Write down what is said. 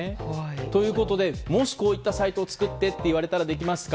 ということでもしこういったサイトを作ってと言われたらできますか？